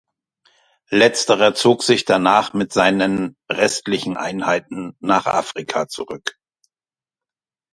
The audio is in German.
Letzterer zog sich danach mit seinen restlichen Einheiten nach Afrika zurück.